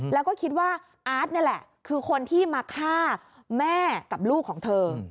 แล้วก็คิดว่าอาร์ตนี่แหละคือคนที่มาฆ่าแม่กับลูกของเธอ